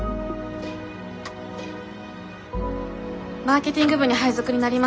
マーケティング部に配属になりました笠松ほたるです。